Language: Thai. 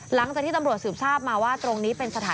หลังจากที่ตำรวจสืบทราบมาว่า